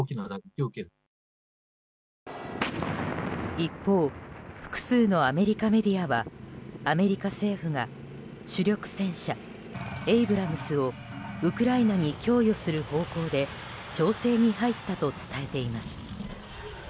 一方複数のアメリカメディアはアメリカ政府が主力戦車エイブラムスをウクライナに供与する方向で調整に入ったと伝えています。